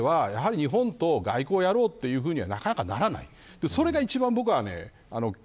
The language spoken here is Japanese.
そういうところでは日本と外交やろうというふうにはなかなかならない。